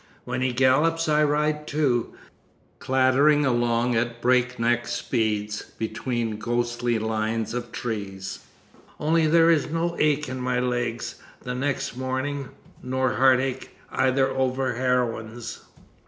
When he gallops I ride too, clattering along at breakneck speed between ghostly lines of trees. Only there is no ache in my legs the next morning. Nor heartache either over heroines.